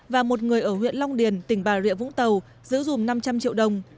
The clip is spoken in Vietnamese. và một người ở huyện long điền tỉnh bà rịa vũng tàu giữ dùm năm trăm linh triệu đồng